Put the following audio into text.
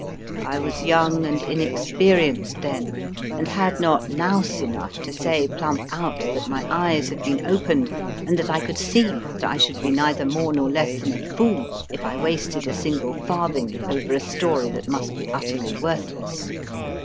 I was young and inexperienced then, and had not nous enough to say plump out that my eyes had been opened, and that I could see that I should be neither more nor less than a fool if I wasted a single farthing over a story that must be utterly worthless.